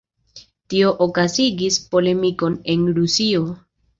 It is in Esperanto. Tio okazigis polemikon en Rusio.